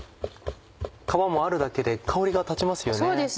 皮もあるだけで香りが立ちますよね。